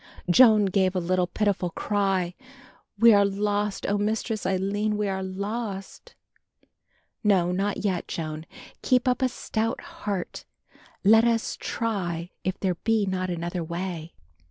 Joan gave a little pitiful cry. "We are lost, oh, Mistress Aline, we are lost." "No, not yet, Joan, keep up a stout heart; let us try if there be not another way."